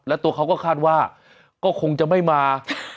แล้วตัวเขาก็คาดว่าก็คงจะไม่มา